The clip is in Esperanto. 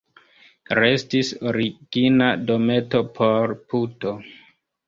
Restis origina dometo por puto.